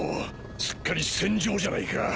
すっかり戦場じゃないか。